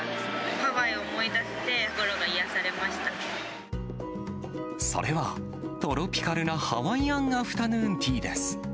ハワイを思い出して、それは、トロピカルなハワイアンアフタヌーンティーです。